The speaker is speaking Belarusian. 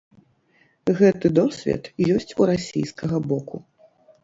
Гэты досвед ёсць у расійскага боку.